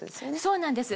そうなんです